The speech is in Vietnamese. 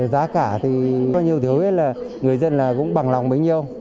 giá cả thì có nhiều thứ người dân cũng bằng lòng bấy nhiêu